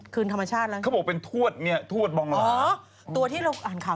คือเป็นถ้วดบองหลา